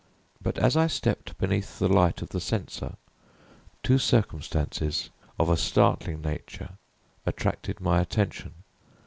But, as I stepped beneath the light of the censer, two circumstances of a startling nature attracted my attention.